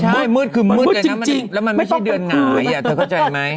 มันมืดคือมืดเลยนะแล้วมันไม่ใช่เดือนหงายอ่ะเธอเข้าใจไหม